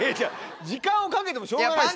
時間をかけてもしょうがない。